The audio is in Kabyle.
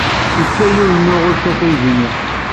Yečča yiwen n uɣucaf aydi-nni.